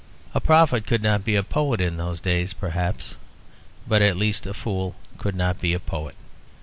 A prophet could not be a poet in those days, perhaps, but at least a fool could not be a poet.